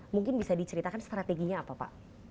mungkin bisa diceritakan strateginya apa pak